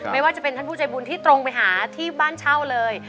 ไม่ว่าจะเป็นท่านผู้ใจบุญที่ตรงไปหาที่บ้านเช่าเลย